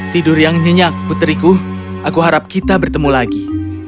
tidur yang nyenyak putriku aku harap kita bertemu lagi